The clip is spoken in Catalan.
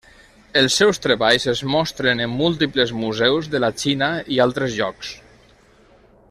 Els seus treballs es mostren en múltiples museus de la Xina i altres llocs.